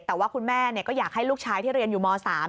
แต่ว่าคุณแม่ก็อยากให้ลูกชายที่เรียนอยู่ม๓